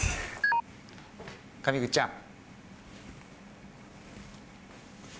上口ちゃん。